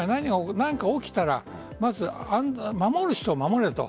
何か起きたらまず守る人を守れと。